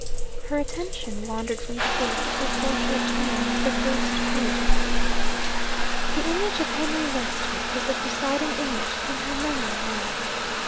Her attention wandered from the book, before she had turned the first page of it. The image of Henry Westwick was the presiding image in her memory now.